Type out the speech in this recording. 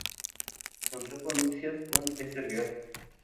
Contrajo nupcias con Ester Guerra.